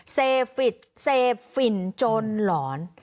เสพฝิ่นจนหลอน